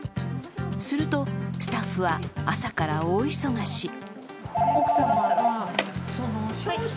すると、スタッフは朝から大忙し。